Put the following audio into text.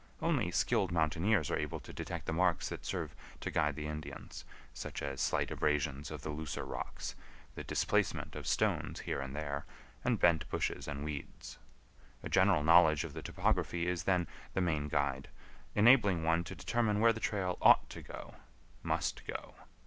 Only skilled mountaineers are able to detect the marks that serve to guide the Indians, such as slight abrasions of the looser rocks, the displacement of stones here and there, and bent bushes and weeds. A general knowledge of the topography is, then, the main guide, enabling one to determine where the trail ought to go—must go.